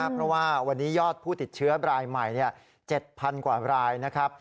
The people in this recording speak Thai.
เพราะว่าวันนี้ยอดผู้ติดเชื้อรายใหม่๗๐๐กว่ารายนะครับ